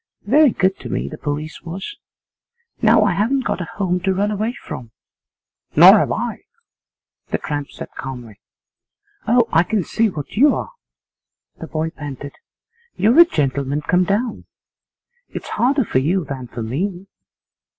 Very good to me, the police was. Now I haven't got a home to run away from.' 'Nor have I,' the tramp said calmly. 'Oh, I can see what you are,' the boy panted; 'you're a gentleman come down. It's harder for you than for me.